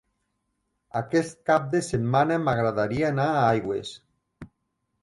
Aquest cap de setmana m'agradaria anar a Aigües.